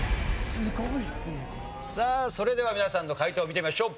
さあそれでは皆さんの解答を見てみましょう。